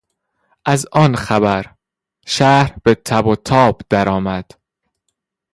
از آن خبر، شهر به تب و تاب درآمد.